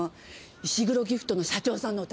石黒ギフトの社長さんのお宅。